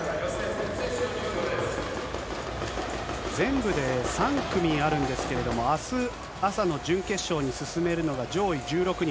全部で３組あるんですけれども、あす朝の準決勝に進めるのが上位１６人。